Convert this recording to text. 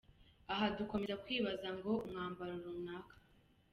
Aha dukomeze kwibaza ngo umwambaro runaka.